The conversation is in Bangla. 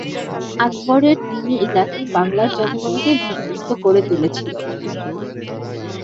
আকবরের দ্বীন-ই-ইলাহী বাংলার জনগণকে বিক্ষুব্ধ করে তুলেছিল।